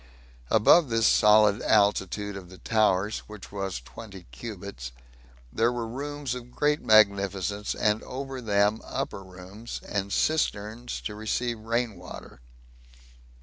Above this solid altitude of the towers, which was twenty cubits, there were rooms of great magnificence, and over them upper rooms, and cisterns to receive rain water.